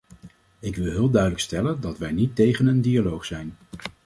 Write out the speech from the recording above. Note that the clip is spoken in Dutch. Ik wil heel duidelijk stellen dat wij niet tegen een dialoog zijn.